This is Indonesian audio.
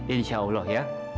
insya allah ya